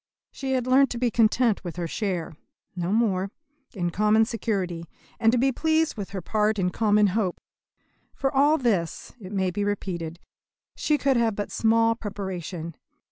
She had learnt to be content with her share no more in common security, and to be pleased with her part in common hope. For all this, it may be repeated, she could have had but small preparation.